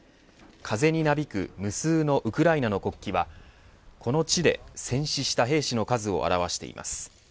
風になびく無数のウクライナの国旗はこの地で戦死した兵士の数を表しています。